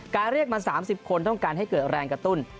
เรียกมา๓๐คนต้องการให้เกิดแรงกระตุ้น